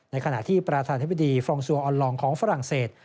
ขณะที่ประธานธิบดีฟรองซัวออนลองของฝรั่งเศส